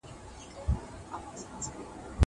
زه پرون ليکلي پاڼي ترتيب کړل.